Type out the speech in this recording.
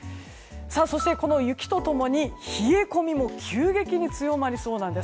そして、この雪と共に冷え込みも急激に強まりそうなんです。